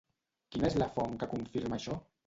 Quina és la font que confirma això?